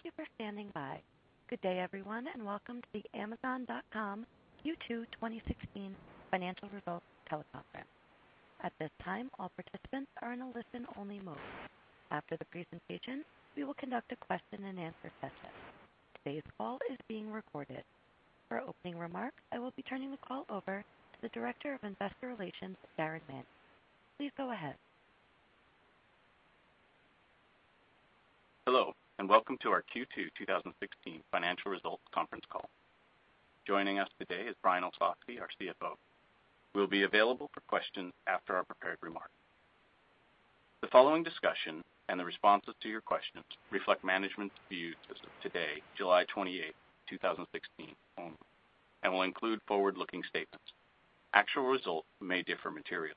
Thank you for standing by. Good day, everyone, and welcome to the Amazon.com Q2 2016 Financial Results conference call. At this time, all participants are in a listen-only mode. After the presentation, we will conduct a question-and-answer session. Today's call is being recorded. For opening remarks, I will be turning the call over to the Director of Investor Relations, Darin Manney. Please go ahead. Hello, and welcome to our Q2 2016 financial results conference call. Joining us today is Brian Olsavsky, our CFO, who will be available for questions after our prepared remarks. The following discussion and the responses to your questions reflect management's views as of today, July 28, 2016, only, and will include forward-looking statements. Actual results may differ materially.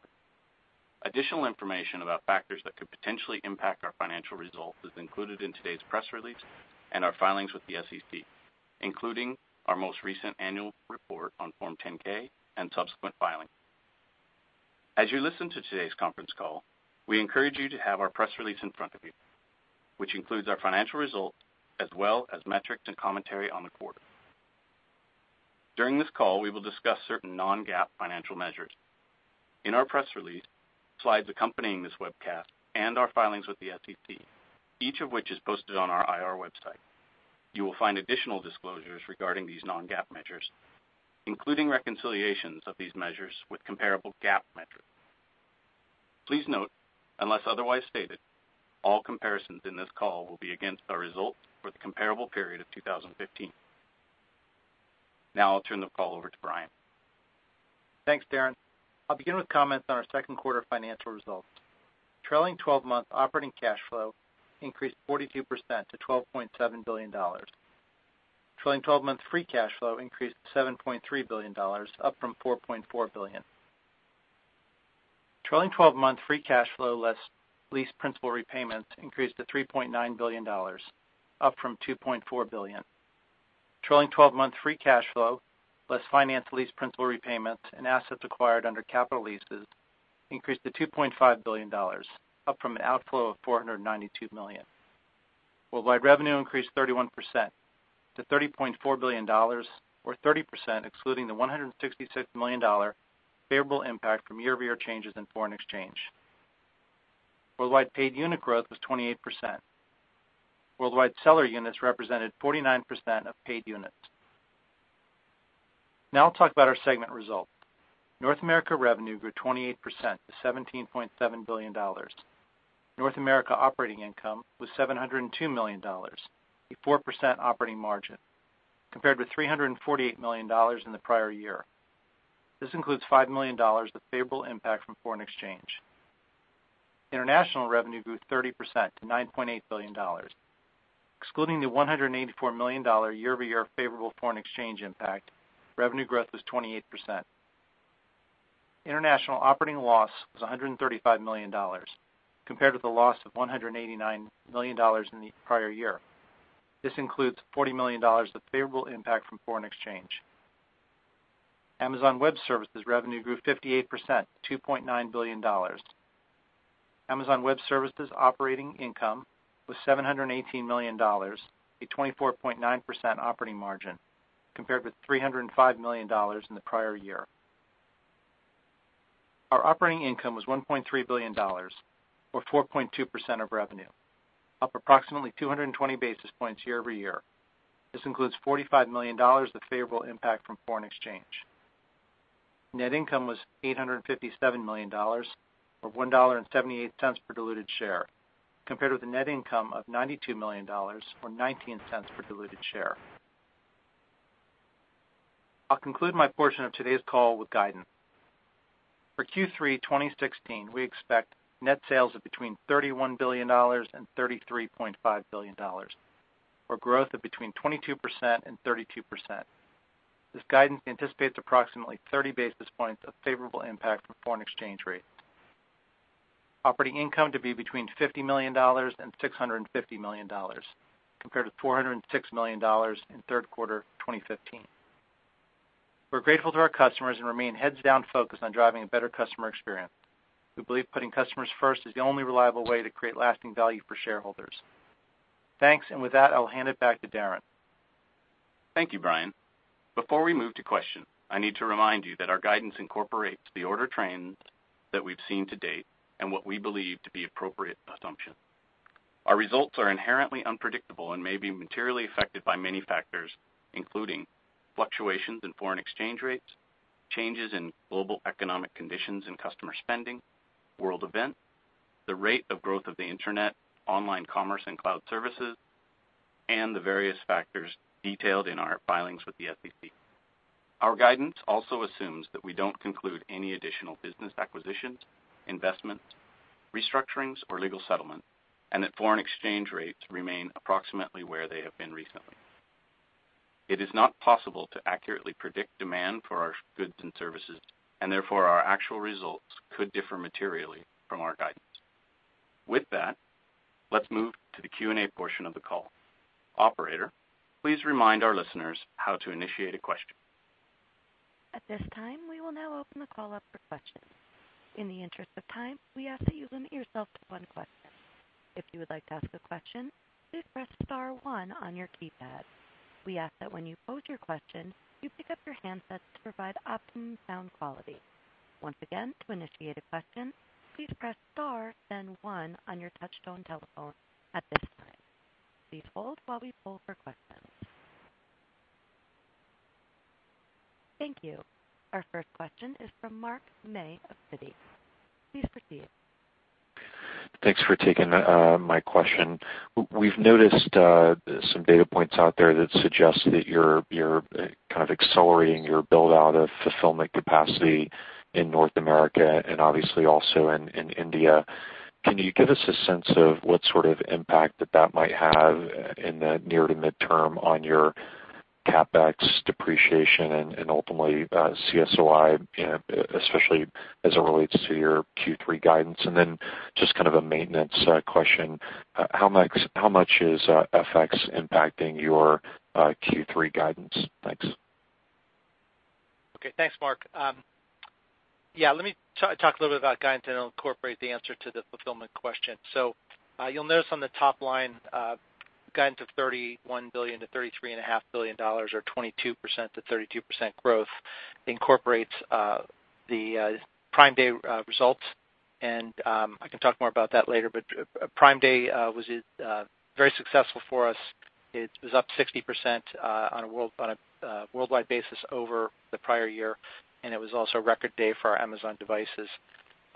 Additional information about factors that could potentially impact our financial results is included in today's press release and our filings with the SEC, including our most recent annual report on Form 10-K and subsequent filings. As you listen to today's conference call, we encourage you to have our press release in front of you, which includes our financial results as well as metrics and commentary on the quarter. During this call, we will discuss certain non-GAAP financial measures. In our press release, slides accompanying this webcast, and our filings with the SEC, each of which is posted on our IR website, you will find additional disclosures regarding these non-GAAP measures, including reconciliations of these measures with comparable GAAP measures. Please note, unless otherwise stated, all comparisons in this call will be against our results for the comparable period of 2015. Now I'll turn the call over to Brian. Thanks, Darin. I'll begin with comments on our second quarter financial results. Trailing 12-month operating cash flow increased 42% to $12.7 billion. Trailing 12-month free cash flow increased to $7.3 billion, up from $4.4 billion. Trailing 12-month free cash flow less lease principal repayments increased to $3.9 billion, up from $2.4 billion. Trailing 12-month free cash flow less finance lease principal repayment and assets acquired under capital leases increased to $2.5 billion, up from an outflow of $492 million. Worldwide revenue increased 31% to $30.4 billion, or 30% excluding the $166 million favorable impact from year-over-year changes in foreign exchange. Worldwide paid unit growth was 28%. Worldwide seller units represented 49% of paid units. Now I'll talk about our segment results. North America revenue grew 28% to $17.7 billion. North America operating income was $702 million, a 4% operating margin, compared with $348 million in the prior year. This includes $5 million of favorable impact from foreign exchange. International revenue grew 30% to $9.8 billion. Excluding the $184 million year-over-year favorable foreign exchange impact, revenue growth was 28%. International operating loss was $135 million, compared with a loss of $189 million in the prior year. This includes $40 million of favorable impact from foreign exchange. Amazon Web Services revenue grew 58% to $2.9 billion. Amazon Web Services operating income was $718 million, a 24.9% operating margin, compared with $305 million in the prior year. Our operating income was $1.3 billion, or 4.2% of revenue, up approximately 220 basis points year-over-year. This includes $45 million of favorable impact from foreign exchange. Net income was $857 million, or $1.78 per diluted share, compared with a net income of $92 million, or $0.19 per diluted share. I will conclude my portion of today's call with guidance. For Q3 2016, we expect net sales of between $31 billion and $33.5 billion, or growth of between 22% and 32%. This guidance anticipates approximately 30 basis points of favorable impact from foreign exchange rates. Operating income to be between $50 million and $650 million, compared to $406 million in third quarter 2015. We are grateful to our customers and remain heads-down focused on driving a better customer experience. We believe putting customers first is the only reliable way to create lasting value for shareholders. Thanks, and with that, I will hand it back to Darin. Thank you, Brian. Before we move to questions, I need to remind you that our guidance incorporates the order trends that we have seen to date and what we believe to be appropriate assumptions. Our results are inherently unpredictable and may be materially affected by many factors, including fluctuations in foreign exchange rates, changes in global economic conditions and customer spending, world events, the rate of growth of the internet, online commerce, and cloud services, and the various factors detailed in our filings with the SEC. Our guidance also assumes that we do not conclude any additional business acquisitions, investments, restructurings, or legal settlements, and that foreign exchange rates remain approximately where they have been recently. It is not possible to accurately predict demand for our goods and services, and therefore, our actual results could differ materially from our guidance. With that, let's move to the Q&A portion of the call. Operator, please remind our listeners how to initiate a question. At this time, we will now open the call up for questions. In the interest of time, we ask that you limit yourself to one question. If you would like to ask a question, please press star one on your keypad. We ask that when you pose your question, you pick up your handsets to provide optimum sound quality. Once again, to initiate a question, please press star, then one on your touch-tone telephone at this time. Please hold while we poll for questions. Thank you. Our first question is from Mark May of Citi. Please proceed. Thanks for taking my question. We've noticed some data points out there that suggest that you're kind of accelerating your build-out of fulfillment capacity in North America and obviously also in India. Can you give us a sense of what sort of impact that might have in the near to mid-term on your CapEx depreciation and ultimately, CSOI, especially as it relates to your Q3 guidance? Just a maintenance question, how much is FX impacting your Q3 guidance? Thanks. Okay. Thanks, Mark. Let me talk a little bit about guidance, and I'll incorporate the answer to the fulfillment question. You'll notice on the top line, guidance of $31 billion-$33.5 billion, or 22%-32% growth incorporates the Prime Day results, and I can talk more about that later. Prime Day was very successful for us. It was up 60% on a worldwide basis over the prior year, and it was also a record day for our Amazon devices,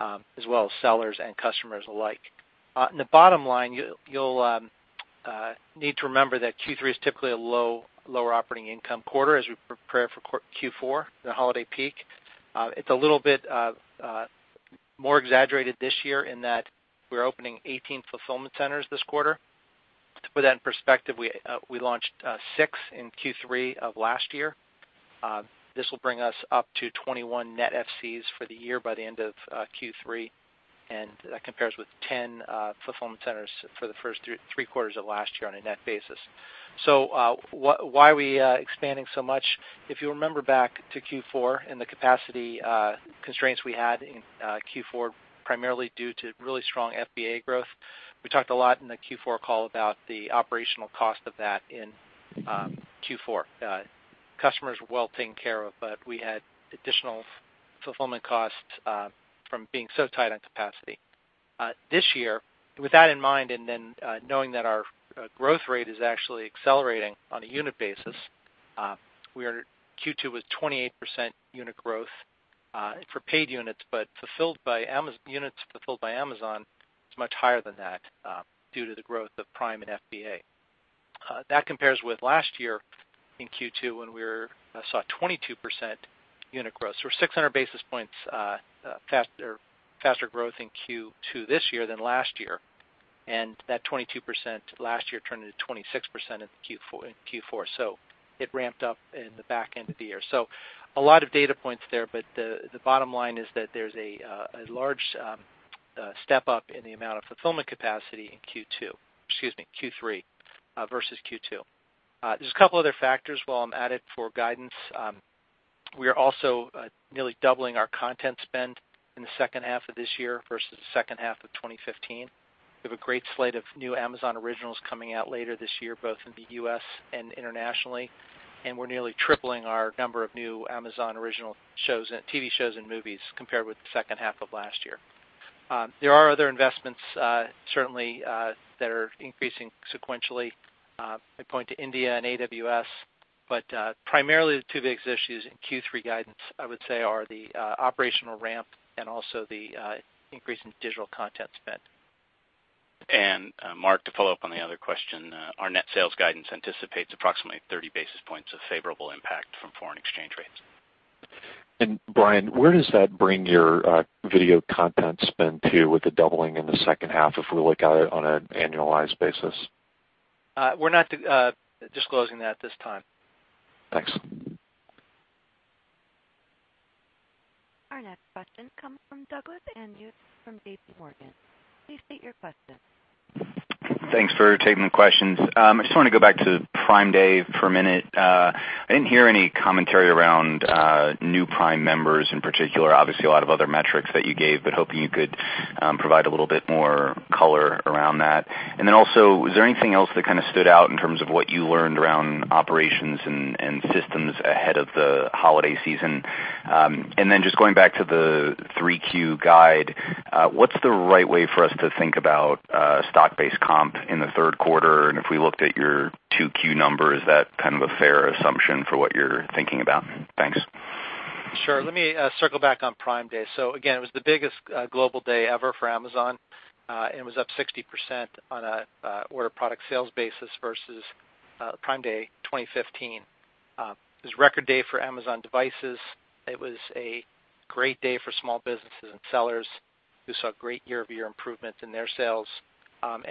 as well as sellers and customers alike. On the bottom line, you'll need to remember that Q3 is typically a lower operating income quarter as we prepare for Q4, the holiday peak. It's a little bit more exaggerated this year in that we're opening 18 fulfillment centers this quarter. To put that in perspective, we launched six in Q3 of last year. This will bring us up to 21 net FCs for the year by the end of Q3, and that compares with 10 fulfillment centers for the first three quarters of last year on a net basis. Why are we expanding so much? If you remember back to Q4 and the capacity constraints we had in Q4, primarily due to really strong FBA growth, we talked a lot in the Q4 call about the operational cost of that in Q4. Customers were well taken care of, but we had additional fulfillment costs from being so tight on capacity. This year, with that in mind, knowing that our growth rate is actually accelerating on a unit basis, Q2 was 28% unit growth for paid units. Units fulfilled by Amazon is much higher than that due to the growth of Prime and FBA. That compares with last year in Q2, when we saw a 22% unit growth, 600 basis points faster growth in Q2 this year than last year, and that 22% last year turned into 26% in Q4. It ramped up in the back end of the year. A lot of data points there, but the bottom line is that there's a large step-up in the amount of fulfillment capacity in Q3 versus Q2. There's a couple other factors, while I'm at it, for guidance. We are also nearly doubling our content spend in the second half of this year versus the second half of 2015. We have a great slate of new Amazon Originals coming out later this year, both in the U.S. and internationally, and we're nearly tripling our number of new Amazon Original TV shows and movies compared with the second half of last year. There are other investments certainly that are increasing sequentially. I point to India and AWS, but primarily the two biggest issues in Q3 guidance, I would say, are the operational ramp and also the increase in digital content spend. Mark, to follow up on the other question, our net sales guidance anticipates approximately 30 basis points of favorable impact from foreign exchange rates. Brian, where does that bring your video content spend to with the doubling in the second half if we look at it on an annualized basis? We're not disclosing that at this time. Thanks. Our next question comes from Douglas Anmuth from J.P. Morgan. Please state your question. Thanks for taking the questions. I just want to go back to Prime Day for a minute. I didn't hear any commentary around new Prime members in particular. Obviously, a lot of other metrics that you gave, but hoping you could provide a little bit more color around that. Was there anything else that stood out in terms of what you learned around operations and systems ahead of the holiday season? Going back to the 3Q guide, what's the right way for us to think about stock-based comp in the third quarter? If we looked at your 2Q number, is that kind of a fair assumption for what you're thinking about? Thanks. Sure. Let me circle back on Prime Day. Again, it was the biggest global day ever for Amazon, and it was up 60% on an order product sales basis versus Prime Day 2015. It was a record day for Amazon devices. It was a great day for small businesses and sellers who saw great year-over-year improvement in their sales.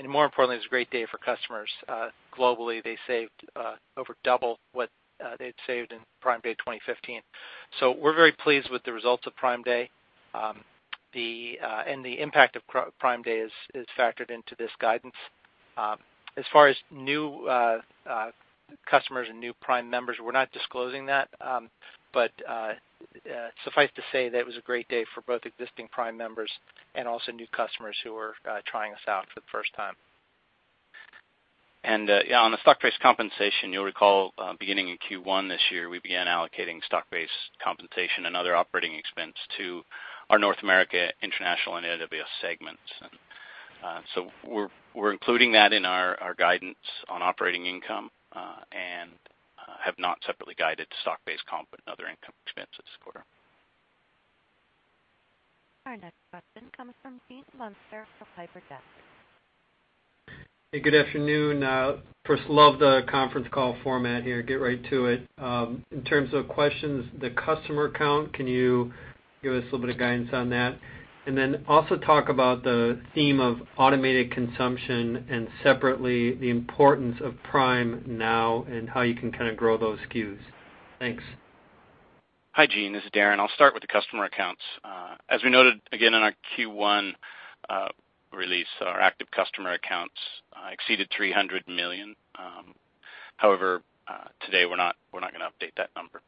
More importantly, it was a great day for customers. Globally, they saved over double what they had saved in Prime Day 2015. We're very pleased with the results of Prime Day. The impact of Prime Day is factored into this guidance. As far as new customers and new Prime members, we're not disclosing that. Suffice to say, that it was a great day for both existing Prime members and also new customers who were trying us out for the first time. Yeah, on the stock-based compensation, you'll recall, beginning in Q1 this year, we began allocating stock-based compensation and other operating expense to our North America, International, and AWS segments. We're including that in our guidance on operating income, and have not separately guided stock-based comp and other income expense this quarter. Our next question comes from Gene Munster for Piper Jaffray. Hey, good afternoon. First, love the conference call format here. Get right to it. In terms of questions, the customer count, can you give us a little bit of guidance on that? Then also talk about the theme of automated consumption. Separately, the importance of Prime Now, and how you can kind of grow those SKUs. Thanks. Hi, Gene. This is Darin. I'll start with the customer accounts. As we noted again on our Q1 release, our active customer accounts exceeded 300 million. However, today we're not going to update that number.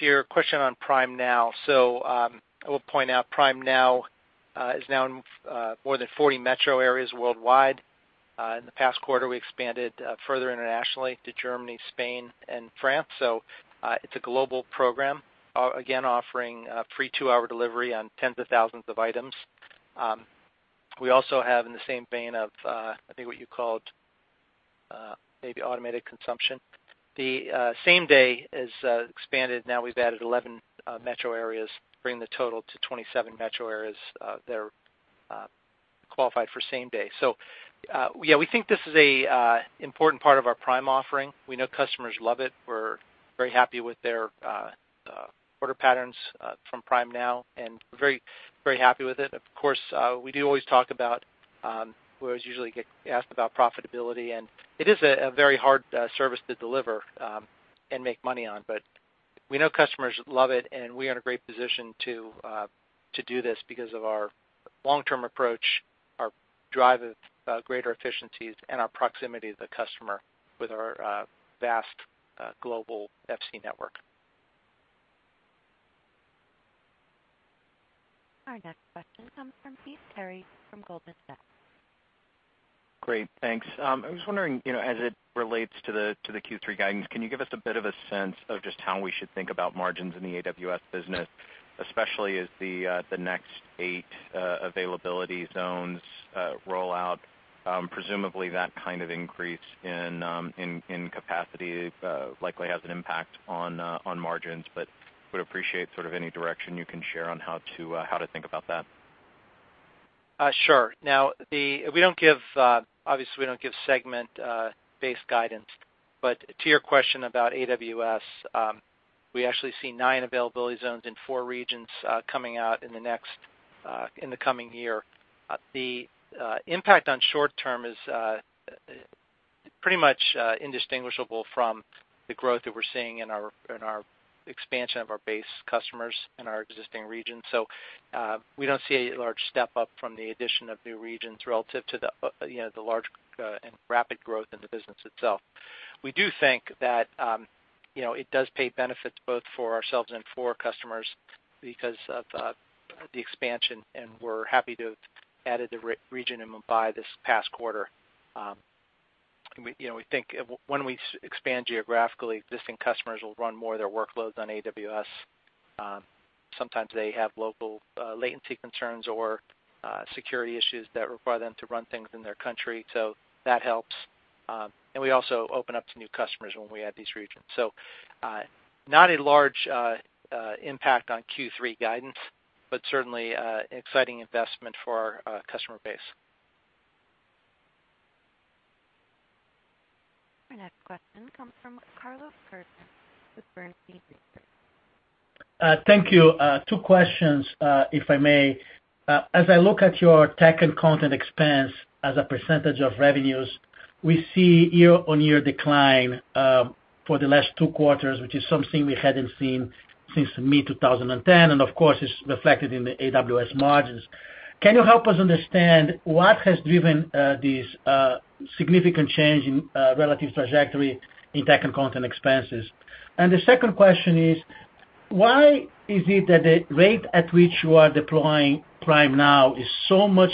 To your question on Prime Now. I will point out Prime Now is now in more than 40 metro areas worldwide. In the past quarter, we expanded further internationally to Germany, Spain, and France. It's a global program, again offering free two-hour delivery on tens of thousands of items. We also have in the same vein of, I think, what you called maybe automated consumption. The Same-Day is expanded now. We've added 11 metro areas, bringing the total to 27 metro areas that are qualified for Same-Day. Yeah, we think this is an important part of our Prime offering. We know customers love it. We're very happy with their order patterns from Prime Now, and very happy with it. Of course, we do always talk about, whereas usually get asked about profitability, it is a very hard service to deliver and make money on. We know customers love it, and we are in a great position to do this because of our long-term approach, our drive of greater efficiencies, and our proximity to the customer with our vast global FC network. Our next question comes from Heath Terry from Goldman Sachs. Great, thanks. I was wondering, as it relates to the Q3 guidance, can you give us a bit of a sense of just how we should think about margins in the AWS business, especially as the next eight availability zones roll out? Presumably, that kind of increase in capacity likely has an impact on margins, would appreciate sort of any direction you can share on how to think about that. Sure. Obviously, we don't give segment-based guidance. To your question about AWS, we actually see 9 availability zones in 4 regions coming out in the coming year. The impact on short-term is pretty much indistinguishable from the growth that we're seeing in our expansion of our base customers in our existing regions. We don't see a large step-up from the addition of new regions relative to the large and rapid growth in the business itself. We do think that it does pay benefits both for ourselves and for our customers because of the expansion, and we're happy to have added the region in Mumbai this past quarter. We think when we expand geographically, existing customers will run more of their workloads on AWS. Sometimes they have local latency concerns or security issues that require them to run things in their country, so that helps. We also open up to new customers when we add these regions. Not a large impact on Q3 guidance, but certainly an exciting investment for our customer base. Our next question comes from Carlos Kirjner with Bernstein Research. Thank you. Two questions, if I may. As I look at your tech and content expense as a percentage of revenues, we see year-on-year decline for the last two quarters, which is something we hadn't seen since mid-2010, and, of course, it's reflected in the AWS margins. Can you help us understand what has driven this significant change in relative trajectory in tech and content expenses? The second question is, why is it that the rate at which you are deploying Prime Now is so much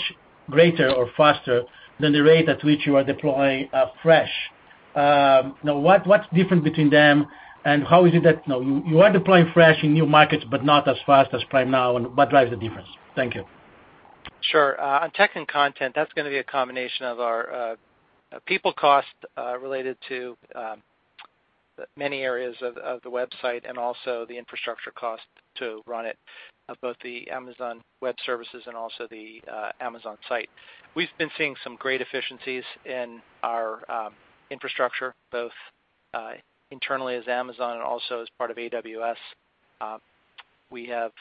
greater or faster than the rate at which you are deploying Fresh? What's different between them, and how is it that you are deploying Fresh in new markets but not as fast as Prime Now, and what drives the difference? Thank you. Sure. On tech and content, that's going to be a combination of our people cost related to many areas of the website, and also the infrastructure cost to run it, of both Amazon Web Services and also the Amazon site. We've been seeing some great efficiencies in our infrastructure, both internally as Amazon and also as part of AWS. We have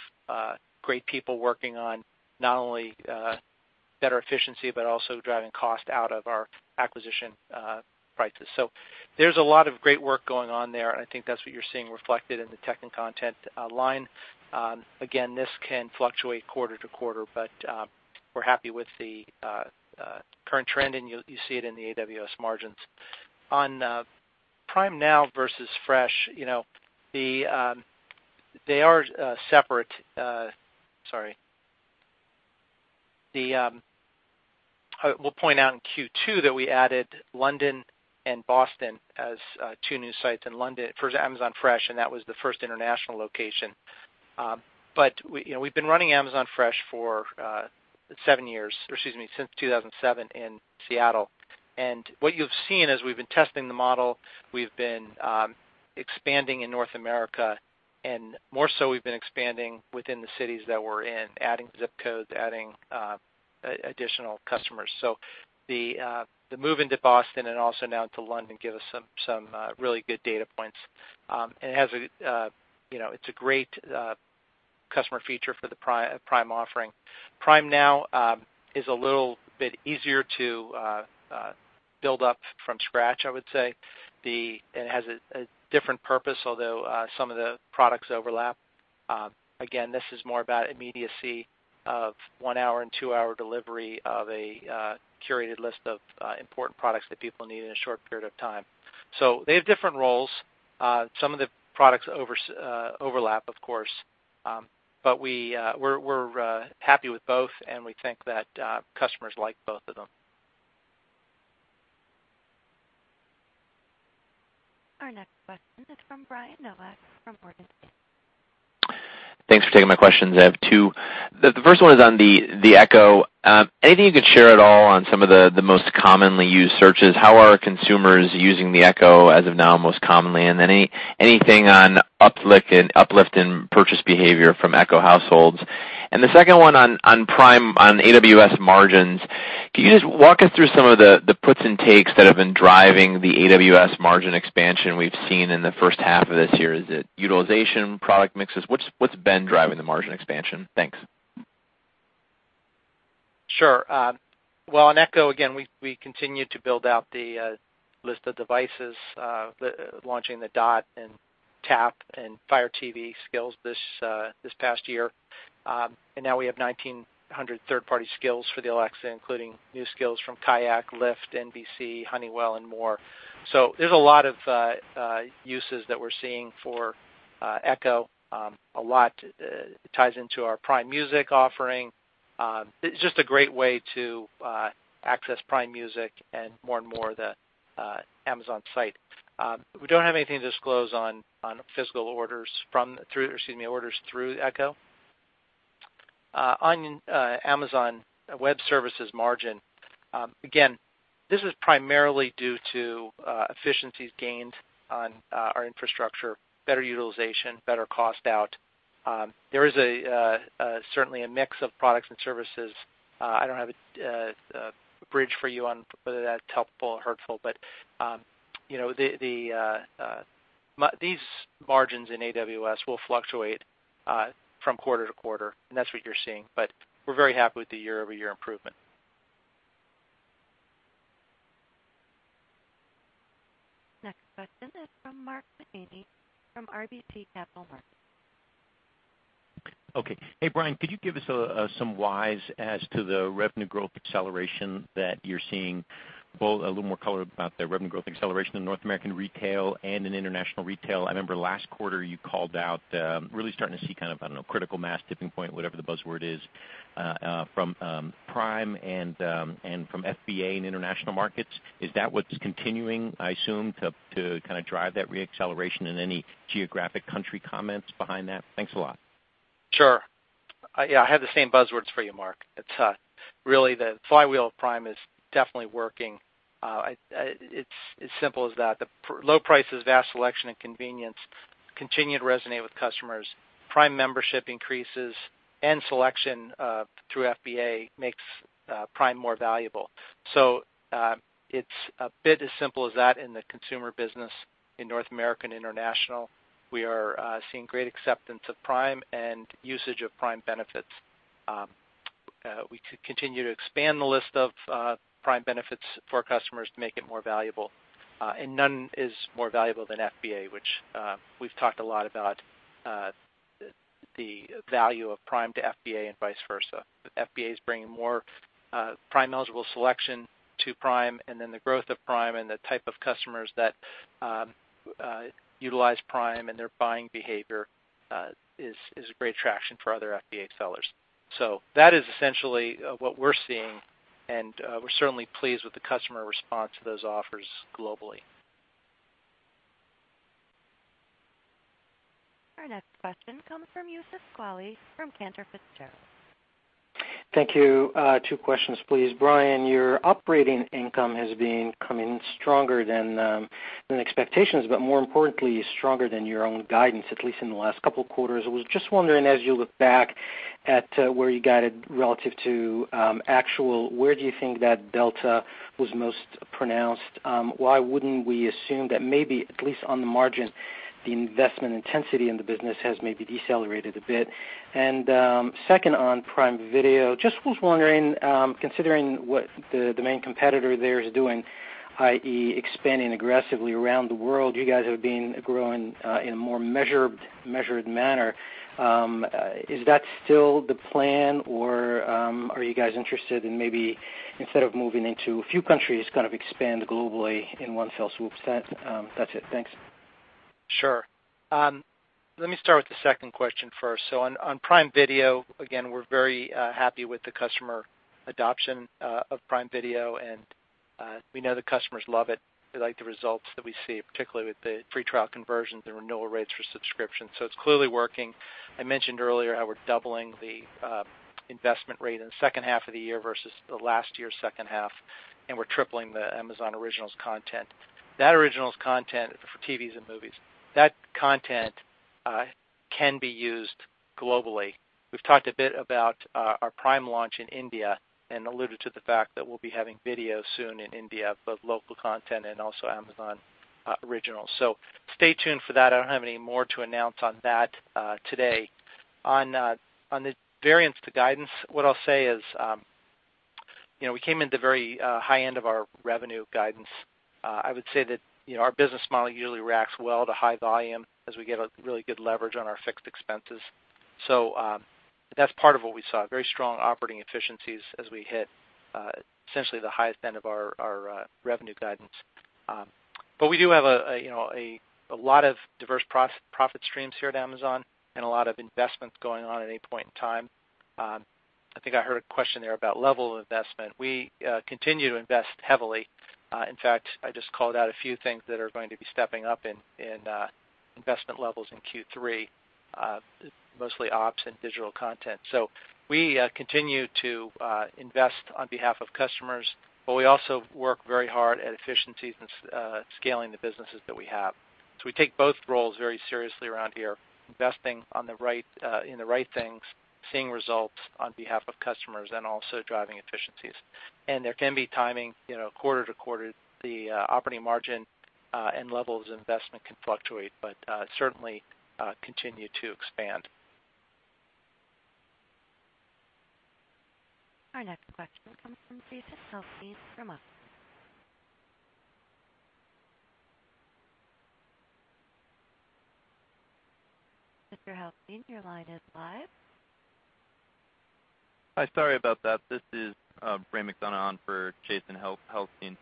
great people working on not only better efficiency, but also driving cost out of our acquisition prices. There's a lot of great work going on there, and I think that's what you're seeing reflected in the tech and content line. This can fluctuate quarter to quarter, but we're happy with the current trend, and you see it in the AWS margins. On Prime Now versus Fresh, they are separate. Sorry. We'll point out in Q2 that we added London and Boston as two new sites for Amazon Fresh, and that was the first international location. We've been running Amazon Fresh for seven years, excuse me, since 2007 in Seattle. What you've seen is we've been testing the model, we've been expanding in North America, and more so we've been expanding within the cities that we're in, adding zip codes, adding additional customers. The move into Boston and also now to London give us some really good data points. It's a great customer feature for the Prime offering. Prime Now is a little bit easier to build up from scratch, I would say. It has a different purpose, although some of the products overlap. This is more about immediacy of one hour and two-hour delivery of a curated list of important products that people need in a short period of time. They have different roles. Some of the products overlap, of course. We're happy with both, and we think that customers like both of them. Our next question is from Brian Nowak from Morgan Stanley. Thanks for taking my questions. I have two. The first one is on the Echo. Anything you could share at all on some of the most commonly used searches, how are consumers using the Echo as of now most commonly? Anything on uplift in purchase behavior from Echo households? The second one on AWS margins, can you just walk us through some of the puts and takes that have been driving the AWS margin expansion we've seen in the first half of this year? Is it utilization, product mixes? What's been driving the margin expansion? Thanks. Sure. On Echo, again, we continue to build out the list of devices, launching the Dot and Tap and Fire TV skills this past year. Now we have 1,900 third-party skills for the Alexa, including new skills from KAYAK, Lyft, NBC, Honeywell, and more. There's a lot of uses that we're seeing for Echo. A lot ties into our Prime Music offering. It's just a great way to access Prime Music and more and more the Amazon site. We don't have anything to disclose on physical orders through Echo. On Amazon Web Services margin, again, this is primarily due to efficiencies gained on our infrastructure, better utilization, better cost out. There is certainly a mix of products and services. I don't have a bridge for you on whether that's helpful or hurtful, these margins in AWS will fluctuate from quarter to quarter, and that's what you're seeing. We're very happy with the year-over-year improvement. Next question is from Mark Mahaney from RBC Capital Markets. Okay. Hey, Brian, could you give us some whys as to the revenue growth acceleration that you're seeing, both a little more color about the revenue growth acceleration in North American retail and in international retail? I remember last quarter you called out really starting to see kind of, I don't know, critical mass, tipping point, whatever the buzzword is, from Prime and from FBA in international markets. Is that what's continuing, I assume, to kind of drive that re-acceleration, and any geographic country comments behind that? Thanks a lot. Sure. Yeah, I have the same buzzwords for you, Mark. It's really the flywheel of Prime is definitely working. It's as simple as that. The low prices, vast selection, and convenience continue to resonate with customers. Prime membership increases and selection through FBA makes Prime more valuable. It's a bit as simple as that in the consumer business in North American International. We are seeing great acceptance of Prime and usage of Prime benefits. We continue to expand the list of Prime benefits for customers to make it more valuable, and none is more valuable than FBA, which we've talked a lot about the value of Prime to FBA and vice versa. FBA is bringing more Prime-eligible selection to Prime. The growth of Prime and the type of customers that utilize Prime and their buying behavior is a great traction for other FBA sellers. That is essentially what we're seeing, and we're certainly pleased with the customer response to those offers globally. Our next question comes from Youssef Squali from Cantor Fitzgerald. Thank you. Two questions, please. Brian, your operating income has been coming stronger than expectations, but more importantly, stronger than your own guidance, at least in the last couple of quarters. I was just wondering, as you look back at where you guided relative to actual, where do you think that delta was most pronounced? Why wouldn't we assume that maybe, at least on the margin, the investment intensity in the business has maybe decelerated a bit? Second, on Prime Video, just was wondering, considering what the main competitor there is doing, i.e., expanding aggressively around the world, you guys have been growing in a more measured manner. Is that still the plan, or are you guys interested in maybe instead of moving into a few countries, kind of expand globally in one fell swoop? That's it. Thanks. Sure. Let me start with the second question first. On Prime Video, again, we're very happy with the customer adoption of Prime Video, and we know the customers love it. We like the results that we see, particularly with the free trial conversions, the renewal rates for subscriptions. It's clearly working. I mentioned earlier how we're doubling the investment rate in the second half of the year versus the last year's second half, and we're tripling the Originals content. That Originals content for TVs and movies, that content can be used globally. We've talked a bit about our Prime launch in India and alluded to the fact that we'll be having video soon in India, both local content and also Amazon Originals. Stay tuned for that. I don't have any more to announce on that today. On the variance to guidance, what I'll say is we came in at the very high end of our revenue guidance. I would say that our business model usually reacts well to high volume as we get a really good leverage on our fixed expenses. That's part of what we saw, very strong operating efficiencies as we hit essentially the highest end of our revenue guidance. We do have a lot of diverse profit streams here at Amazon and a lot of investments going on at any point in time. I think I heard a question there about level of investment. We continue to invest heavily. In fact, I just called out a few things that are going to be stepping up in investment levels in Q3, mostly ops and digital content. We continue to invest on behalf of customers, but we also work very hard at efficiencies and scaling the businesses that we have. We take both roles very seriously around here, investing in the right things, seeing results on behalf of customers, and also driving efficiencies. There can be timing, quarter to quarter, the operating margin and levels of investment can fluctuate, but certainly continue to expand. Our next question comes from Jason Helfstein from. Mr. Helfstein, your line is live. Hi, sorry about that. This is Ray McDonough for Jason Helfstein.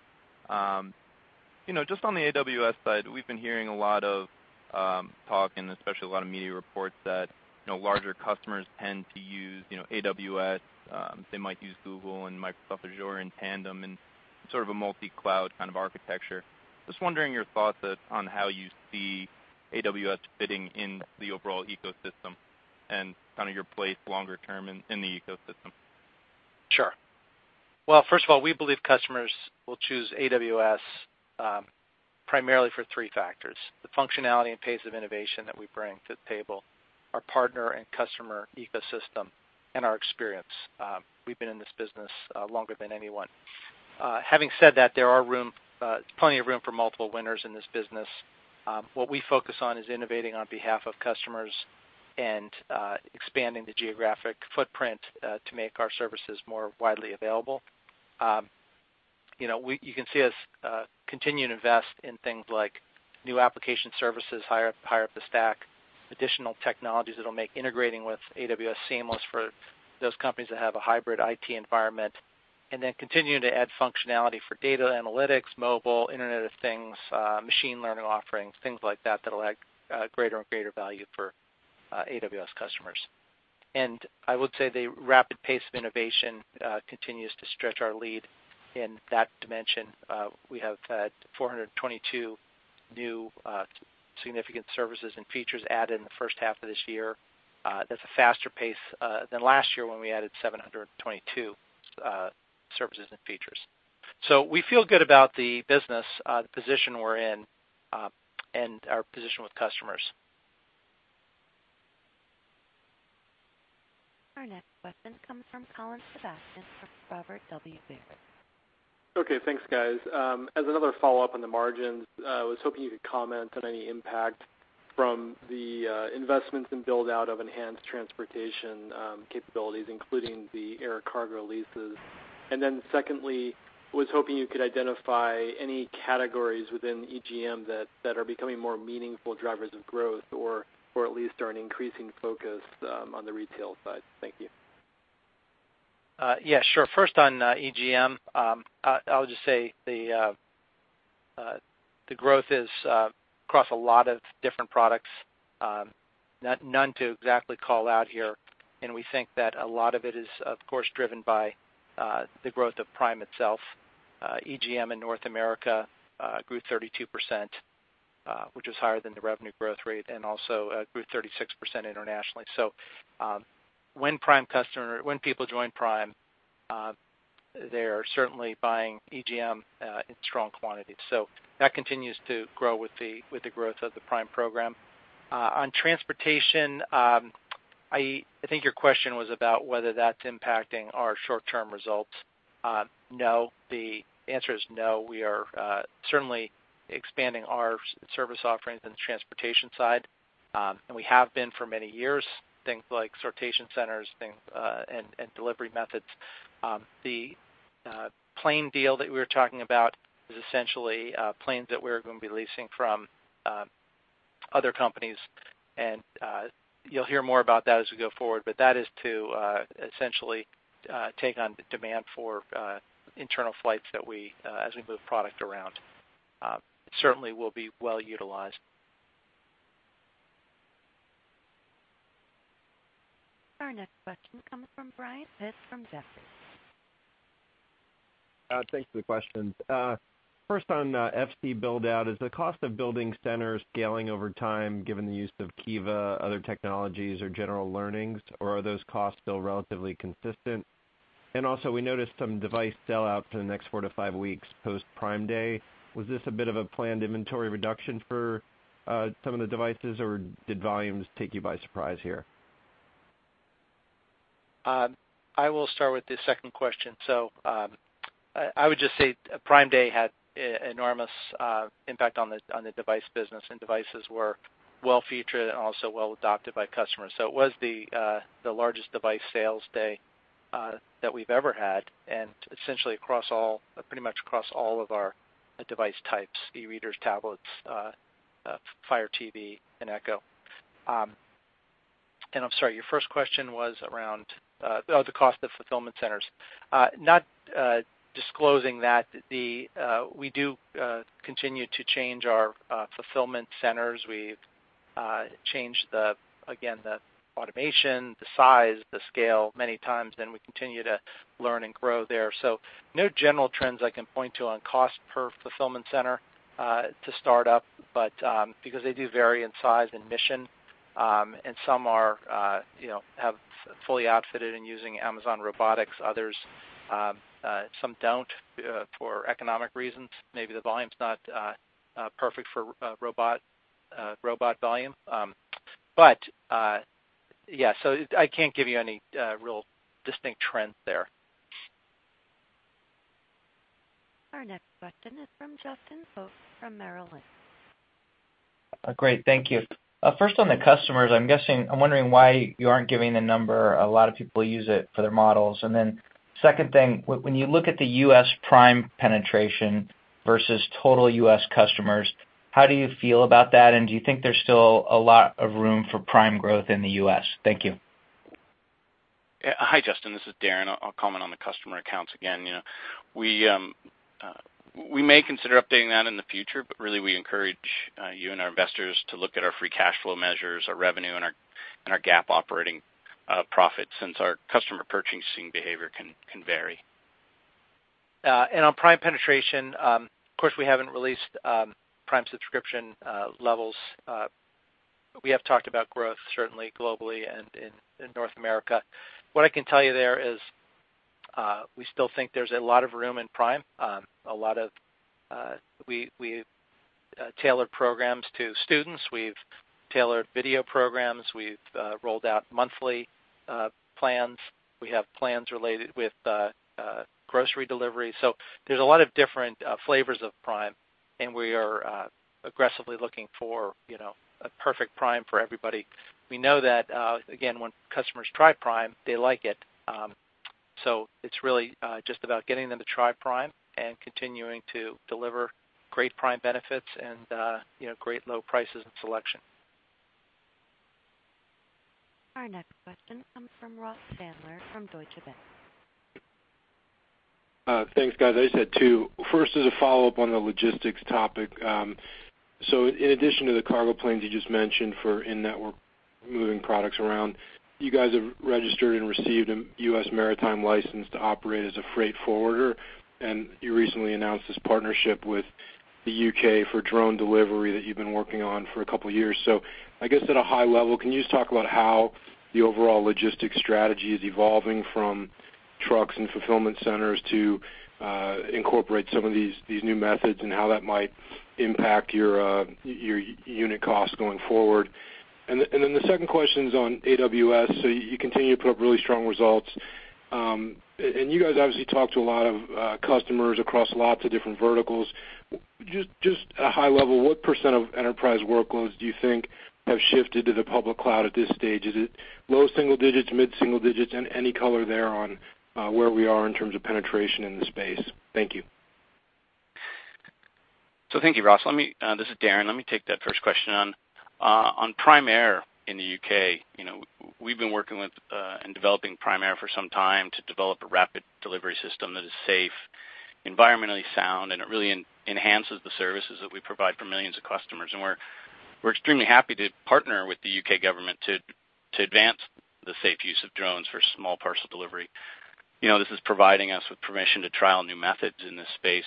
Just on the AWS side, we've been hearing a lot of talk and especially a lot of media reports that larger customers tend to use AWS. They might use Google and Microsoft Azure in tandem in sort of a multi-cloud kind of architecture. Just wondering your thoughts on how you see AWS fitting in the overall ecosystem and your place longer term in the ecosystem. Sure. Well, first of all, we believe customers will choose AWS primarily for three factors, the functionality and pace of innovation that we bring to the table, our partner and customer ecosystem, and our experience. We've been in this business longer than anyone. Having said that, there's plenty of room for multiple winners in this business. What we focus on is innovating on behalf of customers and expanding the geographic footprint to make our services more widely available. You can see us continue to invest in things like new application services higher up the stack, additional technologies that'll make integrating with AWS seamless for those companies that have a hybrid IT environment, continuing to add functionality for data analytics, mobile, Internet of Things, machine learning offerings, things like that'll add greater and greater value for AWS customers. I would say the rapid pace of innovation continues to stretch our lead in that dimension. We have had 422 new significant services and features added in the first half of this year. That's a faster pace than last year when we added 722 services and features. We feel good about the business, the position we're in, and our position with customers. Our next question comes from Colin Sebastian from Robert W. Baird. Okay, thanks guys. As another follow-up on the margins, I was hoping you could comment on any impact from the investments in build-out of enhanced transportation capabilities, including the air cargo leases. Secondly, I was hoping you could identify any categories within EGM that are becoming more meaningful drivers of growth or at least are an increasing focus on the retail side. Thank you. Yeah, sure. First on EGM, I'll just say the growth is across a lot of different products, none to exactly call out here, and we think that a lot of it is, of course, driven by the growth of Prime itself. EGM in North America grew 32%, which is higher than the revenue growth rate, and also grew 36% internationally. When people join Prime, they're certainly buying EGM in strong quantities. That continues to grow with the growth of the Prime program. On transportation, I think your question was about whether that's impacting our short-term results. No, the answer is no. We are certainly expanding our service offerings in the transportation side, and we have been for many years, things like sortation centers, and delivery methods. The plane deal that we were talking about is essentially planes that we're going to be leasing from other companies, and you'll hear more about that as we go forward. That is to essentially take on demand for internal flights as we move product around. It certainly will be well-utilized. Our next question comes from Brian Pitz from Jefferies. Thanks for the questions. First on FC build-out, is the cost of building centers scaling over time, given the use of Kiva, other technologies, or general learnings, or are those costs still relatively consistent? Also, we noticed some device sell out for the next four to five weeks post Prime Day. Was this a bit of a planned inventory reduction for some of the devices, or did volumes take you by surprise here? I will start with the second question. I would just say Prime Day had enormous impact on the device business, and devices were well-featured and also well-adopted by customers. It was the largest device sales day that we've ever had, and essentially pretty much across all of our device types, e-readers, tablets, Fire TV, and Echo. I'm sorry, your first question was around the cost of fulfillment centers. Not disclosing that, we do continue to change our fulfillment centers. We've changed, again, the automation, the size, the scale many times, and we continue to learn and grow there. No general trends I can point to on cost per fulfillment center to start up, because they do vary in size and mission, and some have fully outfitted in using Amazon Robotics, others some don't for economic reasons. Maybe the volume's not perfect for robot volume. Yeah, I can't give you any real distinct trends there. Our next question is from Justin Post from Merrill Lynch. Great. Thank you. First on the customers, I'm wondering why you aren't giving the number. A lot of people use it for their models. Second thing, when you look at the U.S. Prime penetration versus total U.S. customers, how do you feel about that, and do you think there's still a lot of room for Prime growth in the U.S.? Thank you. Hi, Justin. This is Darin. I'll comment on the customer accounts again. We may consider updating that in the future, but really, we encourage you and our investors to look at our free cash flow measures, our revenue, and our GAAP operating profit, since our customer purchasing behavior can vary. On Prime penetration, of course, we haven't released Prime subscription levels. We have talked about growth certainly globally and in North America. What I can tell you there is we still think there's a lot of room in Prime. We've tailored programs to students, we've tailored video programs, we've rolled out monthly plans. We have plans related with grocery delivery. There's a lot of different flavors of Prime, and we are aggressively looking for a perfect Prime for everybody. We know that, again, when customers try Prime, they like it. It's really just about getting them to try Prime, and continuing to deliver great Prime benefits and great low prices and selection. Our next question comes from Ross Sandler from Deutsche Bank. Thanks, guys. I just had two. First is a follow-up on the logistics topic. In addition to the cargo planes you just mentioned for in-network moving products around, you guys have registered and received a U.S. maritime license to operate as a freight forwarder, and you recently announced this partnership with the U.K. for drone delivery that you've been working on for a couple of years. I guess at a high level, can you just talk about how the overall logistics strategy is evolving from trucks and fulfillment centers to incorporate some of these new methods, and how that might impact your unit cost going forward? Then the second question's on AWS. You continue to put up really strong results. You guys obviously talk to a lot of customers across lots of different verticals. Just at a high level, what % of enterprise workloads do you think have shifted to the public cloud at this stage? Is it low single digits, mid-single digits, and any color there on where we are in terms of penetration in the space? Thank you. Thank you, Ross. This is Darin. Let me take that first question. On Prime Air in the U.K., we've been working with, and developing Prime Air for some time to develop a rapid delivery system that is safe, environmentally sound, and it really enhances the services that we provide for millions of customers. We're extremely happy to partner with the U.K. government to advance the safe use of drones for small parcel delivery. This is providing us with permission to trial new methods in this space,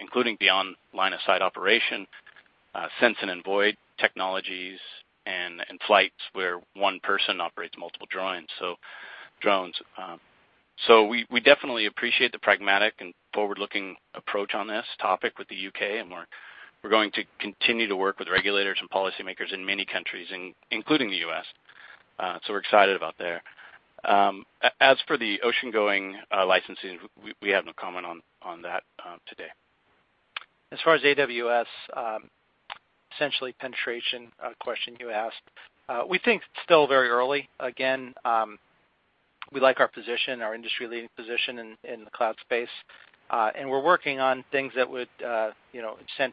including beyond line-of-sight operation. Sense-and-Avoid technologies and flights where one person operates multiple drones. We definitely appreciate the pragmatic and forward-looking approach on this topic with the U.K., we're going to continue to work with regulators and policymakers in many countries, including the U.S. We're excited about there. As for the oceangoing licensing, we have no comment on that today. As far as AWS, essentially penetration question you asked. We think it's still very early. Again, we like our position, our industry-leading position in the cloud space. We're working on things that would incent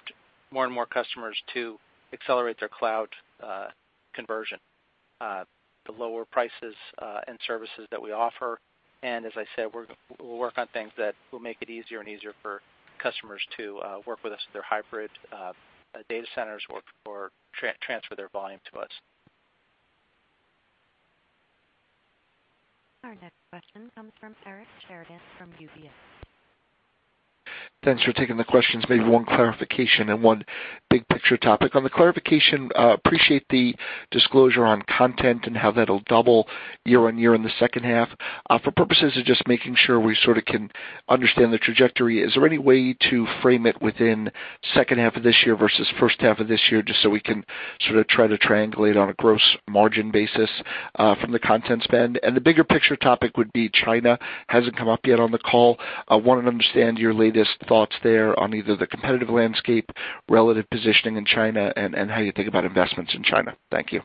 more and more customers to accelerate their cloud conversion, the lower prices and services that we offer. As I said, we'll work on things that will make it easier and easier for customers to work with us with their hybrid data centers or transfer their volume to us. Our next question comes from Eric Sheridan from UBS. Thanks for taking the questions. Maybe one clarification and one big-picture topic. On the clarification, appreciate the disclosure on content and how that'll double year-on-year in the second half. For purposes of just making sure we sort of can understand the trajectory, is there any way to frame it within second half of this year versus first half of this year, just so we can sort of try to triangulate on a gross margin basis from the content spend? The bigger-picture topic would be China. Hasn't come up yet on the call. I wanted to understand your latest thoughts there on either the competitive landscape, relative positioning in China, and how you think about investments in China. Thank you.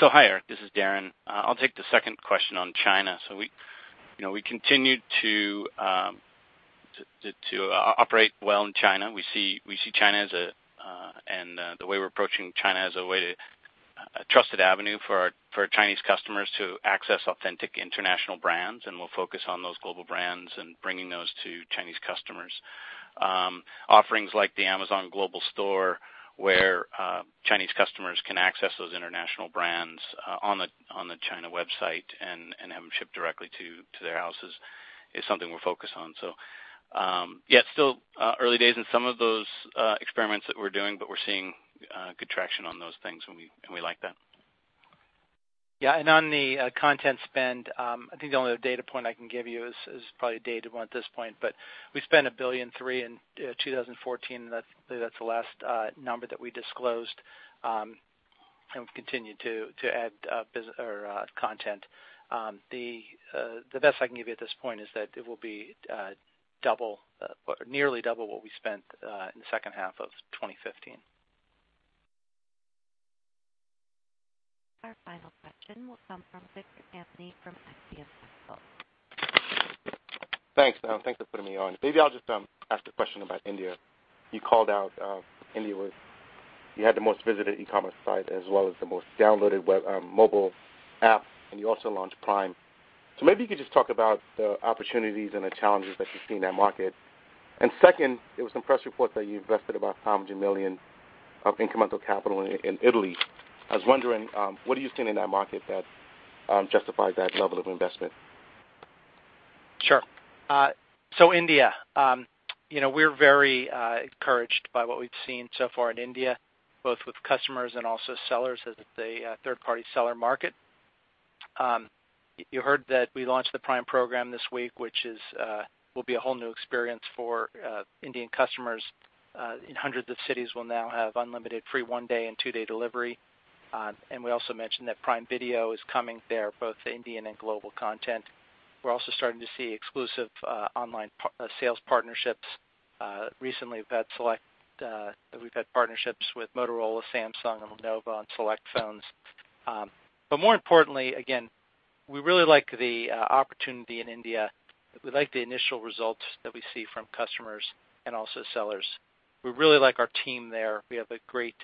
Hi, Eric, this is Darin. I'll take the second question on China. We continue to operate well in China. We see China, and the way we're approaching China, as a trusted avenue for our Chinese customers to access authentic international brands, and we'll focus on those global brands and bringing those to Chinese customers. Offerings like the Amazon Global Store, where Chinese customers can access those international brands on the China website and have them shipped directly to their houses, is something we're focused on. Yeah, it's still early days in some of those experiments that we're doing, but we're seeing good traction on those things, and we like that. Yeah. On the content spend, I think the only data point I can give you is probably a data one at this point, but we spent $1.3 billion in 2014, and I believe that's the last number that we disclosed, and we've continued to add content. The best I can give you at this point is that it will be nearly double what we spent in the second half of 2015. Our final question will come from Victor Anthony from Axiom Capital. Thanks. Thanks for putting me on. Maybe I'll just ask a question about India. You called out India, you had the most visited e-commerce site as well as the most downloaded mobile app, and you also launched Prime. Maybe you could just talk about the opportunities and the challenges that you see in that market. Second, there was some press reports that you invested about $100 million of incremental capital in Italy. I was wondering, what are you seeing in that market that justifies that level of investment? Sure. India. We're very encouraged by what we've seen so far in India, both with customers and also sellers as a third-party seller market. You heard that we launched the Prime program this week, which will be a whole new experience for Indian customers. Hundreds of cities will now have unlimited free one-day and two-day delivery. We also mentioned that Prime Video is coming there, both Indian and global content. We're also starting to see exclusive online sales partnerships. Recently, we've had partnerships with Motorola, Samsung, and Lenovo on select phones. More importantly, again, we really like the opportunity in India. We like the initial results that we see from customers and also sellers. We really like our team there. We have a great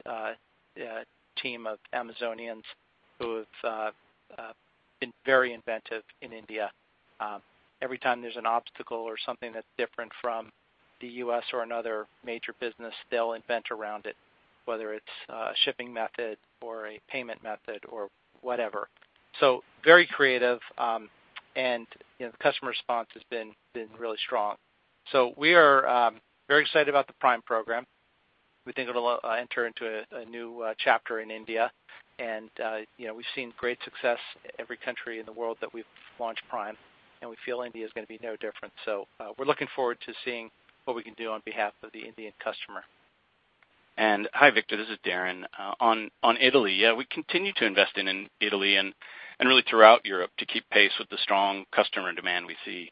team of Amazonians who have been very inventive in India. Every time there's an obstacle or something that's different from the U.S. or another major business, they'll invent around it, whether it's a shipping method or a payment method or whatever. Very creative, and the customer response has been really strong. We are very excited about the Prime program. We think it'll enter into a new chapter in India. We've seen great success every country in the world that we've launched Prime, and we feel India is going to be no different. We're looking forward to seeing what we can do on behalf of the Indian customer. Hi, Victor, this is Darin. On Italy, yeah, we continue to invest in Italy and really throughout Europe to keep pace with the strong customer demand we see.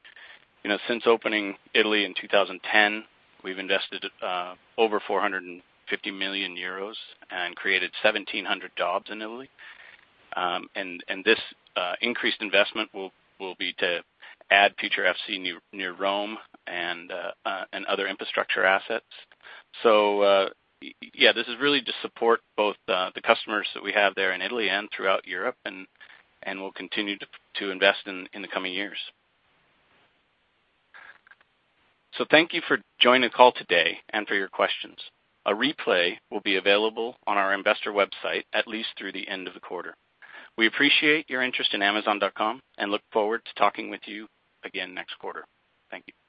Since opening Italy in 2010, we've invested over $450 million and created 1,700 jobs in Italy. This increased investment will be to add future FC near Rome and other infrastructure assets. Yeah, this is really to support both the customers that we have there in Italy and throughout Europe, and we'll continue to invest in the coming years. Thank you for joining the call today and for your questions. A replay will be available on our investor website at least through the end of the quarter. We appreciate your interest in amazon.com and look forward to talking with you again next quarter. Thank you.